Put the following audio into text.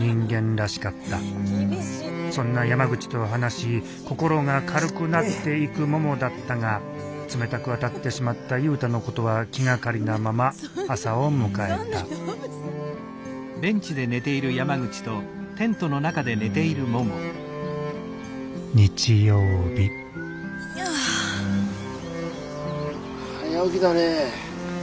そんな山口と話し心が軽くなっていくももだったが冷たく当たってしまった雄太のことは気がかりなまま朝を迎えた早起きだね。